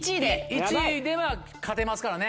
１位でまぁ勝てますからね。